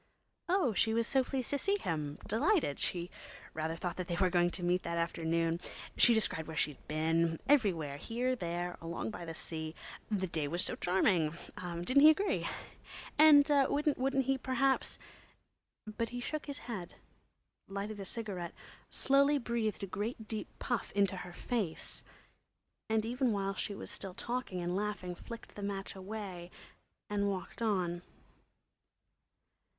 Oh, she was so pleased to see him—delighted! She rather thought they were going to meet that afternoon. She described where she'd been—everywhere, here, there, along by the sea. The day was so charming—didn't he agree? And wouldn't he, perhaps?... But he shook his head, lighted a cigarette, slowly breathed a great deep puff into her face, and even while she was still talking and laughing, flicked the match away and walked on.